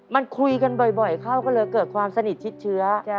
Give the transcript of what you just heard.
มันคุยกันบ่อยเข้าก็เลยเกิดความสนิทชิดเชื้อ